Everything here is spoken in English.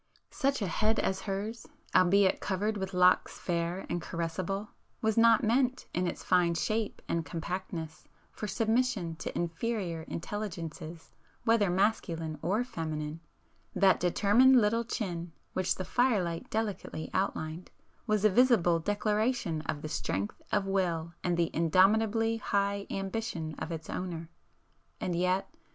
Such a head as hers, albeit covered with locks fair and caressable, [p 431] was not meant, in its fine shape and compactness, for submission to inferior intelligences whether masculine or feminine,—that determined little chin which the firelight delicately outlined, was a visible declaration of the strength of will and the indomitably high ambition of its owner,—and yet